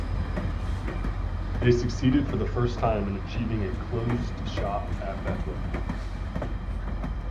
They succeeded for the first time in achieving a closed shop at Bethlehem.